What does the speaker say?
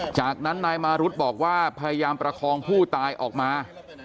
จากนั้นนายมารุธบอกว่าพยายามประคองผู้ตายออกมา